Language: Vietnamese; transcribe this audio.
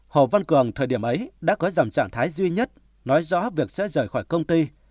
hồ văn cường thời điểm ấy đã có dòng trạng thái duy nhất nói rõ việc sẽ rời khỏi công ty